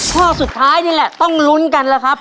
ข้อสุดท้ายนี่แหละต้องลุ้นกันแล้วครับ